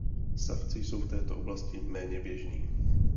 Savci jsou v této oblasti méně běžní.